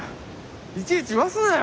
いちいち言わすなよ。